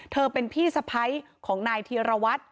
เธอเป็นพี่สะใภของนายเฮยระวัส